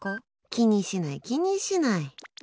気にしない、気にしない！